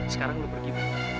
sekarang lo pergi dulu